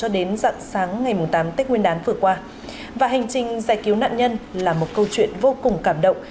đến dạng sáng ngày tám tết nguyên đán vừa qua và hành trình giải cứu nạn nhân là một câu chuyện vô cùng cảm động